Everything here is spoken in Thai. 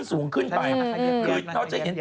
น้องจะเห็น